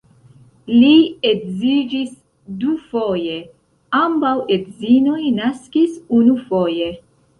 Li edziĝis dufoje, ambaŭ edzinoj naskis unufoje.